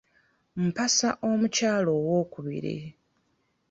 Mpasa omukyala owokubiri.